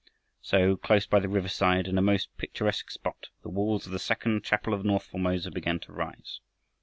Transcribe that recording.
So, close by the riverside, in a most picturesque spot, the walls of the second chapel of north Formosa began to rise.